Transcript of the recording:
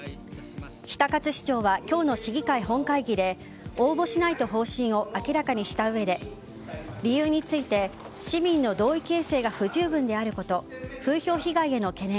比田勝市長は今日の市議会本会議で応募しない方針を明らかにしたうえで理由について市民の同意形成が不十分であること風評被害への懸念